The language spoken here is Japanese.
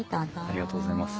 ありがとうございます。